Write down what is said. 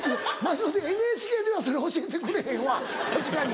ＮＨＫではそれ教えてくれへんわ確かに。